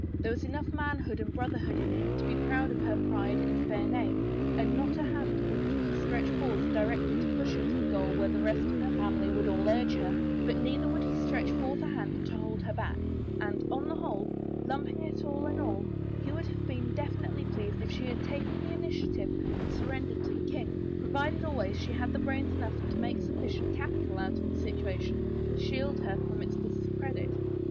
There was enough man hood and brotherhood in him to be proud of her pride and fair name, and not a hand would he stretch forth directly to push her to the goal where the rest of her family would all urge her, but neither would he stretch forth a hand to hold her back, and, on the whole, lumping it all in all« he would have been definitely pfeased if she had takea the initiative and surrendered to the king — provided always she had brains enough to make sufficient capital out of the situation to shield her from its dis credit.